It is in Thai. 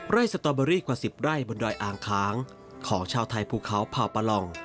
สตอเบอรี่กว่า๑๐ไร่บนดอยอ่างค้างของชาวไทยภูเขาผ่าปะลอง